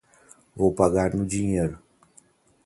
Vou pagar no dinheiro.